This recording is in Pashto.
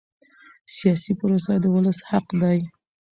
سیاسي پروسه د ولس حق دی